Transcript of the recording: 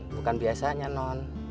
bukan biasanya non